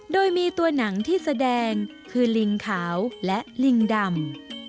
โดยมีตัวหนังที่แสดงคือลิงขาวและลิงดำ